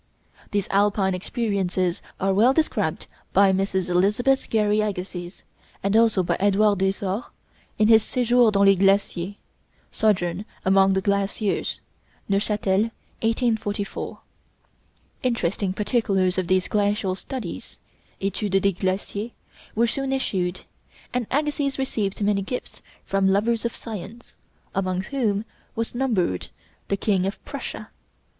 These Alpine experiences are well described by Mrs. Elizabeth Gary Agassiz, and also by Edouard Desors in his 'Séjours dans les Glaciers' (Sojourn among the Glaciers: Neufchâtel, 1844). Interesting particulars of these glacial studies ('Études des Glaciers') were soon issued, and Agassiz received many gifts from lovers of science, among whom was numbered the King of Prussia.